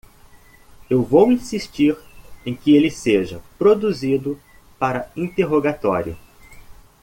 E vou insistir em que ele seja produzido para interrogatório.